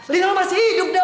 lino masih hidup dong